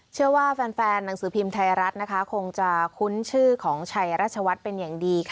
เชื่อว่าแฟนหนังสือพิมพ์ไทยรัฐคงจะคุ้นชื่อของชัยรัชวัฒน์เป็นอย่างดี